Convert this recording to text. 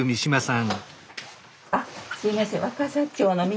あっすいません。